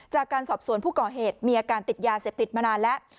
จากการสอบสวนผู้ก่อเหตุมีอาการติดยาเสพติดมานานแล้ว